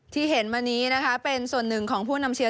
ที่เห็นมานี้นะคะเป็นส่วนหนึ่งของผู้นำเชียร์